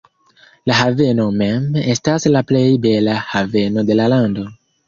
La haveno mem estas la plej bela haveno de la lando.